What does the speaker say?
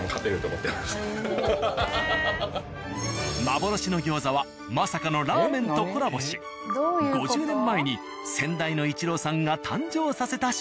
幻の餃子はまさかのラーメンとコラボし５０年前に先代の一郎さんが誕生させた商品。